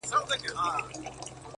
ما ستا لپاره په خزان کي هم کرل گلونه!!